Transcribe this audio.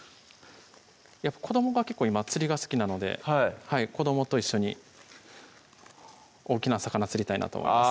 子どもが結構今釣りが好きなので子どもと一緒に大きな魚釣りたいなと思います